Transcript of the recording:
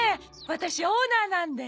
ワタシオーナーなんで。